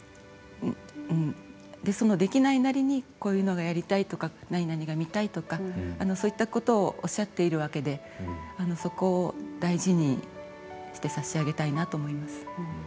で、そのできないなりにこういうのがやりたいとかなになにが見たいとかそういったことをおっしゃっているわけでそこを大事にしてさしあげたいなと思います。